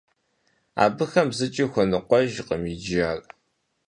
Абыхэм зыкӀи хуэныкъуэжкъым иджы ар.